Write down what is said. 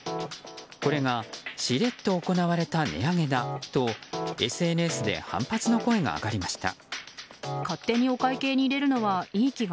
これがしれっと行われた値上げだとＳＮＳで反発の声が上がりました。